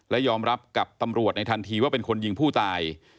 และยอมรับกับตำรวจในทันทีว่าเป็นคนยิงผู้ตาย